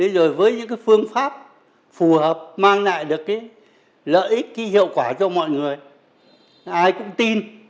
rồi với những cái phương pháp phù hợp mang lại được cái lợi ích cái hiệu quả cho mọi người ai cũng tin